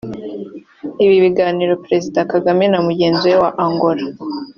Ibi biganiro Perezida Kagame na mugenzi we wa Angola